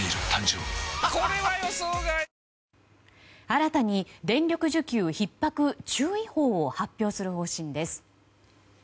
新たに電力ひっ迫注意報を発表する方針です。